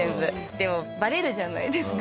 でもバレるじゃないですか。